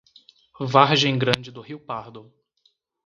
Vargem Grande do Rio Pardo